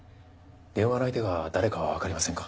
電話の相手が誰かはわかりませんか？